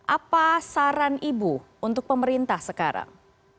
apa saran ibu untuk pemerintah sekarang